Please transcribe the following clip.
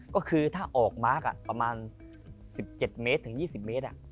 ก็คือถ้าออกมาร์คประมาณ๑๗เมตรถึง๒๐เมตร